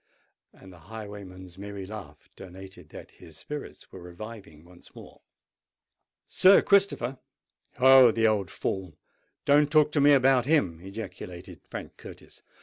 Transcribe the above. "—and the highwayman's merry laugh denoted that his spirits were reviving once more. "Sir Christopher! Oh! the old fool—don't talk to me about him!" ejaculated Frank Curtis.